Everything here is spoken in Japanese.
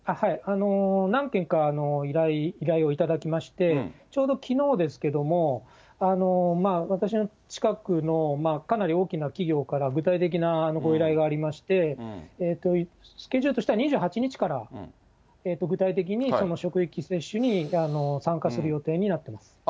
何件か依頼を頂きまして、ちょうどきのうですけども、私の近くのかなり大きな企業から具体的なご依頼がありまして、スケジュールとしては２８日から、具体的にその職域接種に参加する予定になってます。